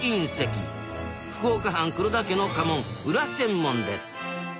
福岡藩黒田家の家紋「裏銭紋」です。